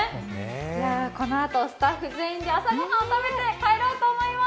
じゃあ、このあとスタッフ全員で朝御飯を食べて帰ろうと思います。